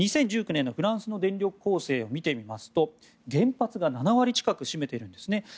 ２０１９年のフランスの電力構成を見てみますと原発が７割近くを占めているんですね。